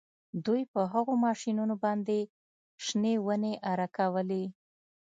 دوی په هغو ماشینونو باندې شنې ونې اره کولې